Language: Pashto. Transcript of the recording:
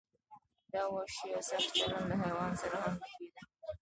دا وحشي او سخت چلند له حیواناتو سره هم نه کیده.